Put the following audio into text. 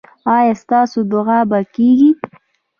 ایا ستاسو دعا به کیږي؟